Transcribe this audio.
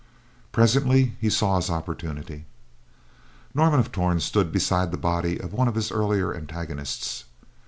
Presently he saw his opportunity. Norman of Torn stood beside the body of one of his earlier antagonists.